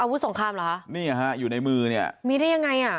วุสงครามเหรอคะนี่ฮะอยู่ในมือเนี่ยมีได้ยังไงอ่ะ